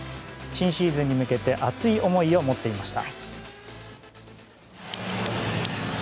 新シーズンに向けて熱い思いを持っていました。